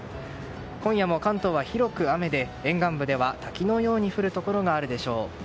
今夜も関東は広く雨で沿岸部では滝のように降るところがあるでしょう。